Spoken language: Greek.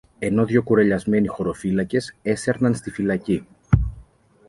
ενώ δυο κουρελιασμένοι χωροφύλακες έσερναν στη φυλακή